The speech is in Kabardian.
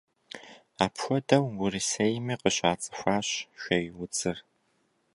Апхуэдэу Урысейми къыщацӏыхуащ шейудзыр.